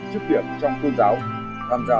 chức kiệm trong tôn giáo tham gia